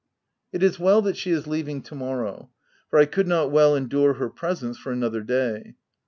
It is well that she is leaving to morrow, for I could not well endure her presence for another day.